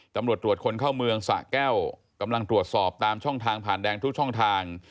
ตำรวจตรวจคนเข้าเมืองสะแก้วกำลังตรวจสอบตามช่องทางผ่านแดงทุกช่องทาง